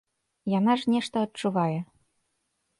Яна ж нешта адчувае.